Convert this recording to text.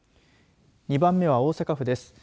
２番目は大阪府です。